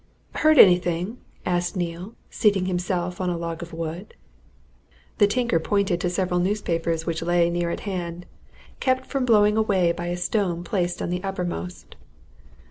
"Heard anything?" asked Neale, seating himself on a log of wood. The tinker pointed to several newspapers which lay near at hand, kept from blowing away by a stone placed on the uppermost.